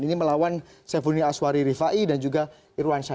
ini melawan sefuni aswari rifai dan juga irwan shah